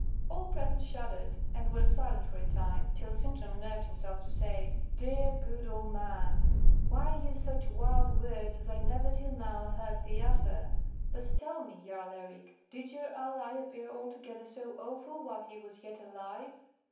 All present shuddered, and were silent for a time, till Sintram nerved himself to say, "Dear, good old man, why use such wild words as I never till now heard thee utter? But tell me, Jarl Eric, did your ally appear altogether so awful while he was yet alive?"